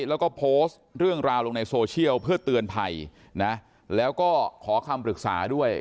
แล้วก็โพสต์เรื่องราวลงในโซเชียลเพื่อเตือนภัยนะแล้วก็ขอคำปรึกษาด้วย